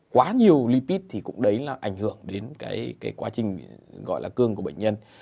quá nhiều lipid thì cũng đấy là ảnh hưởng đến cái quá trình gọi là cương của bệnh nhân